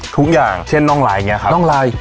ทุกอย่างเช่นน้องลายเนี่ยครับน้องลาย